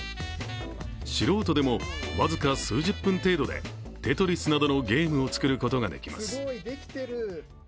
素人でも、僅か数十分程度でテトリスなどのゲームを作ることができます。